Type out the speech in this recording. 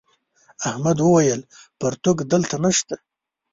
احمد وويل: پرتوگ دلته نشته.